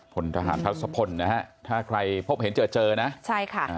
พลทหารพัฒนภนภนนะฮะถ้าใครพบเห็นเจอนะใช่ค่ะ